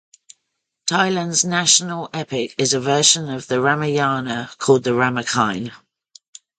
Thailand's national epic is a version of the Ramayana called the Ramakien.